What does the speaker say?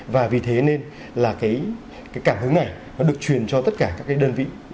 và vì thế nên là cái cảm hứng này nó được truyền cho tất cả các cái đơn vị